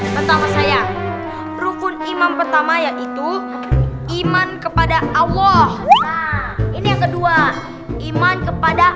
pertama saya rukun imam pertama yaitu iman kepada allah ini yang kedua iman kepada